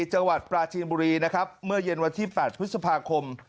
จังหวัดปราจีนบุรีนะครับเมื่อเย็นวันที่๘พฤษภาคม